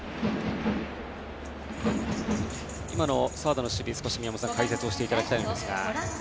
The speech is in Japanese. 今のサードの守備を宮本さんに解説をしていただきたいのですが。